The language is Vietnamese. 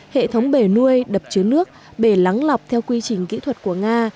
hệ thống bể nuôi đập chứa nước bể lắng lọc theo quy trình kỹ thuật của nga